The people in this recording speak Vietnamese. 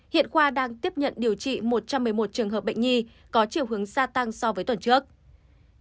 hiện khoa đang tiếp nhận điều trị một trăm một mươi một trường hợp bệnh nhi có chiều hướng gia tăng so với tuần trước